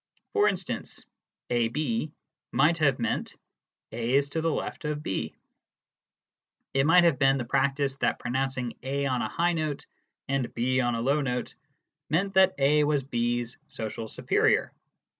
For instance, "AB" might have meant "A is to the left of B." It might have been the practice that pronouncing A on a high note and B on a low note meant that A was B's social superior.